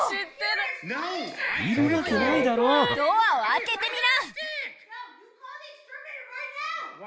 ドアを開けてみな！